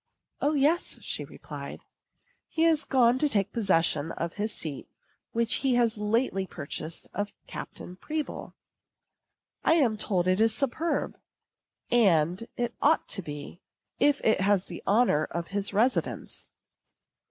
"O, yes," she replied, "he is gone to take possession of his seat which he has lately purchased of Captain Pribble. I am told it is superb; and it ought to be, if it has the honor of his residence."